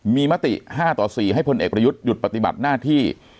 มีมติ๕ต่อ๔ให้พลเอกประยุทธ์หยุดปฏิบัติหน้าที่